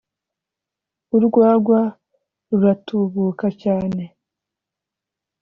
urwagwa ruratubuka cyane.